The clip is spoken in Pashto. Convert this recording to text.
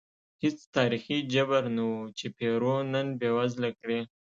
هېڅ تاریخي جبر نه و چې پیرو نن بېوزله کړي.